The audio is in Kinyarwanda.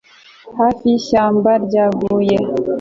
Hafi yishyamba ryaguye